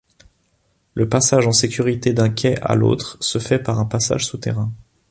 Le passage en sécurité d'un quai à l'autre se fait par un passage souterrain.